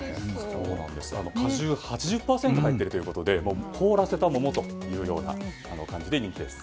果汁が８０％入っているということで凍らせた桃という感じで人気です。